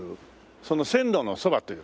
その線路のそばという。